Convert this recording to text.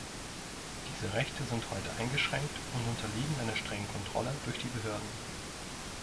Diese Rechte sind heute eingeschränkt und unterliegen einer strengen Kontrolle durch die Behörden.